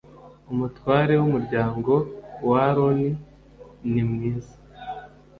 umutware w umuryango wa aroni ni mwiza